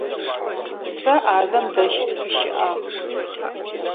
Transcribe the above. Сэ Ӏазэм дэжь сыщыӀагъ.